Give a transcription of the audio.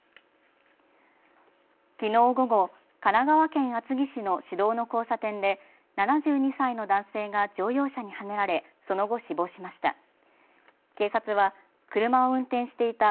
きのう午後、神奈川県厚木市の市道の交差点で７２歳の男性が乗用車にはねられその後、死亡しました。